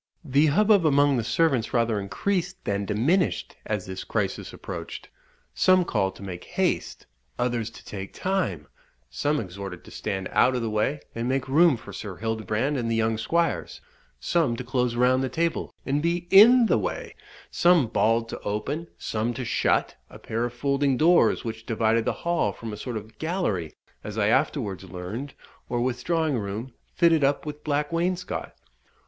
The hubbub among the servants rather increased than diminished as this crisis approached. Some called to make haste, others to take time, some exhorted to stand out of the way, and make room for Sir Hildebrand and the young squires, some to close round the table and be in the way, some bawled to open, some to shut, a pair of folding doors which divided the hall from a sort of gallery, as I afterwards learned, or withdrawing room, fitted up with black wainscot.